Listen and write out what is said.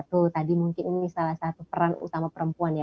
itu tadi mungkin ini salah satu peran utama perempuan ya